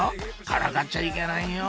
⁉からかっちゃいけないよ